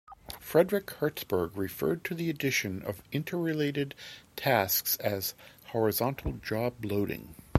Frederick Herzberg referred to the addition of interrelated tasks as 'horizontal job loading'.